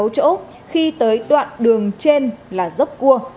sáu chỗ khi tới đoạn đường trên là dốc cua